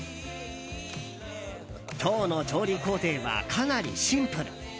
今日の調理工程はかなりシンプル。